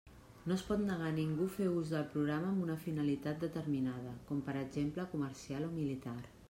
No es pot negar a ningú fer ús del programa amb una finalitat determinada, com per exemple comercial o militar.